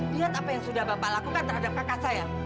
lihat apa yang sudah bapak lakukan terhadap kakak saya